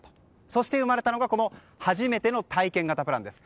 そして生まれたのがこの初めての体験型プランです。